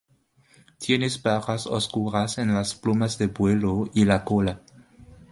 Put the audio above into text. Tiene barras oscuras en las plumas de vuelo y la cola.